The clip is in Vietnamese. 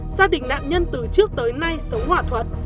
gia đình nạn nhân từ trước tới nay sống hòa thuận